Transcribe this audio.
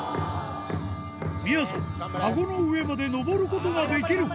みやぞんかごの上まで上ることができるか？